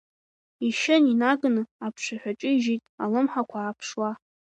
Ишьын инаганы аԥшаҳәаҿы ижит алымҳақәа ааԥшуа.